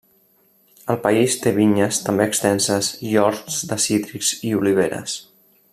El país té vinyes també extenses i horts de cítrics i oliveres.